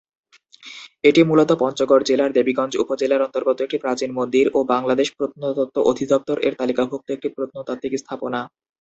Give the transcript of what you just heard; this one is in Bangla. এটি মূলত পঞ্চগড় জেলার দেবীগঞ্জ উপজেলার অন্তর্গত একটি প্রাচীন মন্দির ও বাংলাদেশ প্রত্নতত্ত্ব অধিদপ্তর এর তালিকাভুক্ত একটি প্রত্নতাত্ত্বিক স্থাপনা।